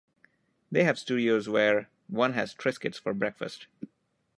They have studios where one has Triscuits for breakfast.